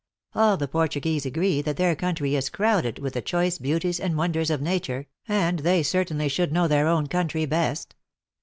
All the Por tuguese agree that their country is crowded with the choice beauties and wonders of nature, and they cer tainly should know their own country best.